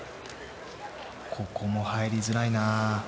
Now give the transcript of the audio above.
ここも入りづらいな